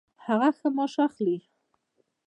هغه ښه معاش اخلي